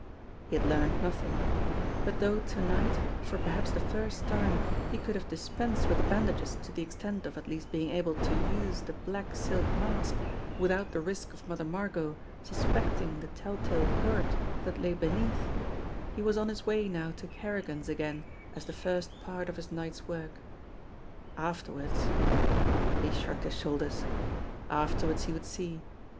He had learned nothing ; but though to night, for perhaps the first time, he could have dispensed with the bandages to the extent of at least being able to use the black silk mask without the risk of Mother Margot suspecting the tell tale hurt that lay beneath, he was on his way now to Kerrigan's again as the first part of his night's work. Afterwards He shrugged his shoulders. Afterwards he would see